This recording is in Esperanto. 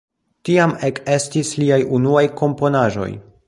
Tiam ekestis liaj unuaj komponaĵoj.